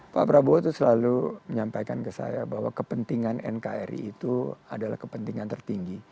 pak prabowo itu selalu menyampaikan ke saya bahwa kepentingan nkri itu adalah kepentingan tertinggi